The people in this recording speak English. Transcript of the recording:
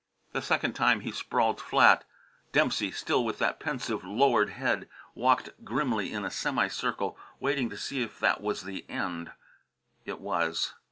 The second time he sprawled flat; Dempsey, still with that pensive lowered head, walked grimly in a semi circle, waiting to see if that was the end. It was.